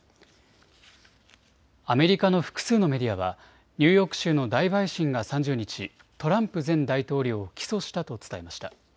アメリカの複数のメディアはニューヨーク州の大陪審が３０日、トランプ前大統領を起訴したと伝えました。